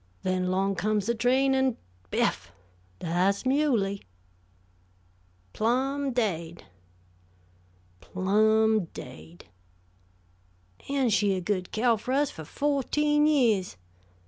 Then, 'long comes the railroad train, an' biff! Thah's Muley!" "Plumb daid." "Plumb daid." "And she a good cow fer us fer fo'teen yeahs.